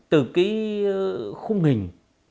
từ cái khung hình